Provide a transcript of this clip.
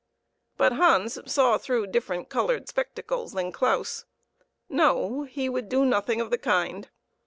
But Hans saw through different colored spectacles than Claus. No ; he would do nothing of the kind.